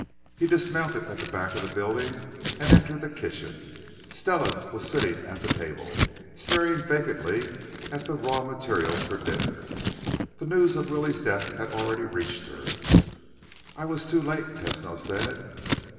He dismounted at the back of the building and entered the kitchen. Stella was sitting at the table, staring vacantly at the raw materials for dinner. The news of Willie's death had already reached her. "I was too late," Tesno said.